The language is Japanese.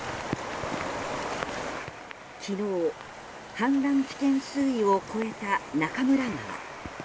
昨日、氾濫危険水位を越えた中村川。